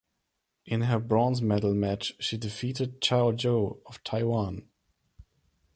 In her bronze medal match she defeated Chao Jou of Taiwan.